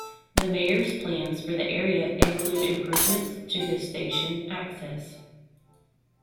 The Mayor's plans for the area include improvements to the station access.